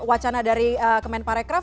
wacana dari kemen parekraf